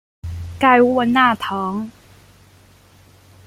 盖沃纳滕。